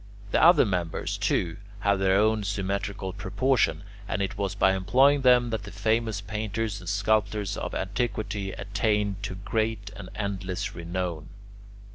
The other members, too, have their own symmetrical proportions, and it was by employing them that the famous painters and sculptors of antiquity attained to great and endless renown.